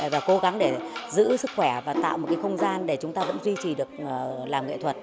và cố gắng để giữ sức khỏe và tạo một cái không gian để chúng ta vẫn duy trì được làm nghệ thuật